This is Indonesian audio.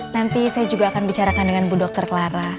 nanti saya juga akan bicarakan dengan bu dr clara